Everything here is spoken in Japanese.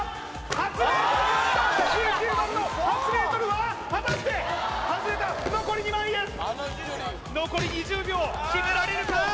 ８ｍ１９番の８ｍは果たして外れた残り２枚です残り２０秒決められるか？